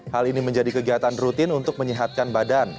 hal ini menjadi kegiatan rutin untuk menyehatkan badan